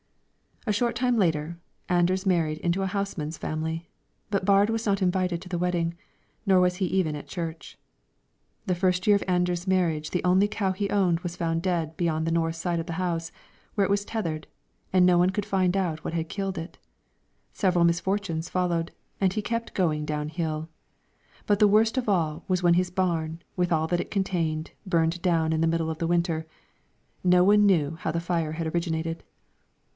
A short time after, Anders married into a houseman's family; but Baard was not invited to the wedding, nor was he even at church. The first year of Anders' marriage the only cow he owned was found dead beyond the north side of the house, where it was tethered, and no one could find out what had killed it. Several misfortunes followed, and he kept going downhill; but the worst of all was when his barn, with all that it contained, burned down in the middle of the winter; no one knew how the fire had originated.